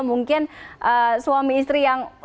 mungkin suami istri yang